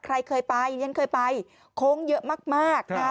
ใครเคยไปยังเคยไปโค้งเยอะมาก